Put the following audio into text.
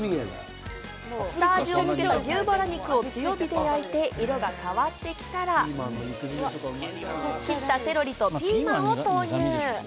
下味をつけて牛バラ肉を強火で焼いて色が変わってきたら、切ったセロリとピーマンを投入。